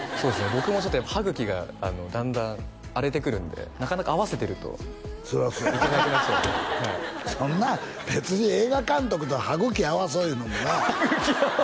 僕もちょっと歯茎がだんだん荒れてくるんでなかなか合わせてるとそりゃそうそんなん別に映画監督と歯茎合わそういうのもな「歯茎合わそう」